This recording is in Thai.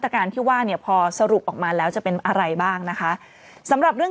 ก็เดินทุกวันไม่ใช่เดินไม่เดิน